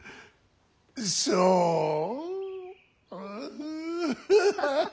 そう？